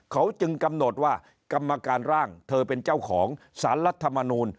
เขาจึงกำหนดว่ากรรมการร่างเธอเป็นเจ้าของสารรัฐมนูล